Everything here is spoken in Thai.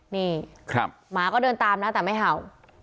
นี่หมาก็เดินตามนะแต่ไม่เห่า